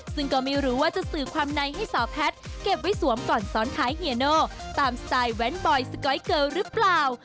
ซึ่งก็ไม่รู้ว่าจะสื่อความในให้สาวแพทย์เก็บไว้สวมก่อนซ้อนท้ายเฮียโน่ตามสไตล์แว้นบอยสก๊อยเกิลหรือเปล่า